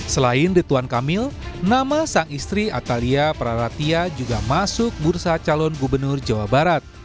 selain rituan kamil nama sang istri atalia praratia juga masuk bursa calon gubernur jawa barat